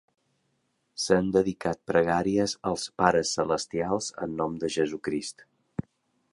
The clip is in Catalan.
S'han dedicat pregàries als "Pares Celestials" en nom de Jesucrist.